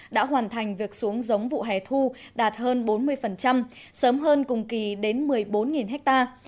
đã hoàn thành việc xuống giống vụ hè thu đạt hơn bốn mươi sớm hơn cùng kỳ đến một mươi bốn ha